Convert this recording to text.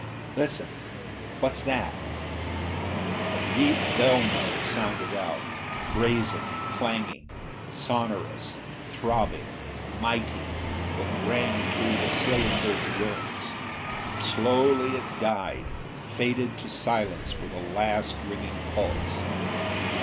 "Listen! What's that?" A deep bell note sounded out, brazen, clanging. Sonorous, throbbing, mighty, it rang through the cylindered rooms. Slowly it died; faded to silence with a last ringing pulse.